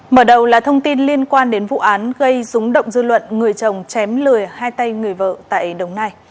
mở đầu là thông tin liên quan đến vụ án gây rúng động dư luận người chồng chém lười hai tay người vợ tại đồng nai